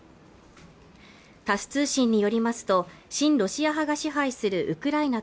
タス通信によりますと親ロシア派が支配するウクライナ